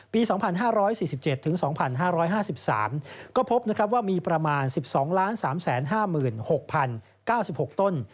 ปี๒๕๔๗๒๕๕๓ก็พบว่ามีประมาณ๑๒๓๕๖๐๙๖ต้น